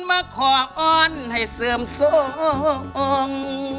มาขออ้อนให้เสื่อมโสองค์